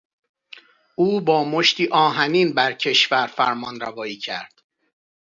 او با مشتی آهنین بر کشور فرمانروایی کرد.